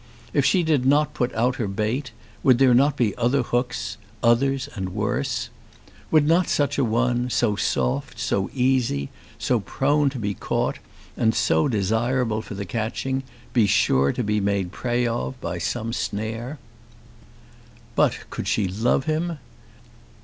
If she did not put out her bait would there not be other hooks, others and worse? Would not such a one, so soft, so easy, so prone to be caught and so desirable for the catching, be sure to be made prey of by some snare? But could she love him?